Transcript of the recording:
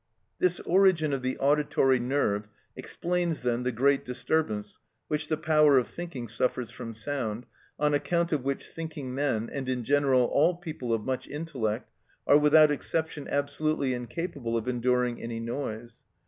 This origin of the auditory nerve explains, then, the great disturbance which the power of thinking suffers from sound, on account of which thinking men, and in general all people of much intellect, are without exception absolutely incapable of enduring any noise.